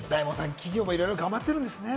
企業もいろいろ頑張ってるんですね。